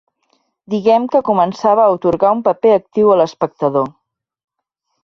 Diguem que començava a atorgar un paper actiu a l'espectador.